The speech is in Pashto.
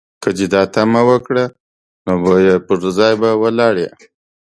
که دې دا تمه وکړه، نو بویه چې پر ځای به ولاړ یې.